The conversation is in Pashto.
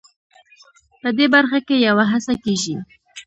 په دې برخه کې یوه هڅه کېږي.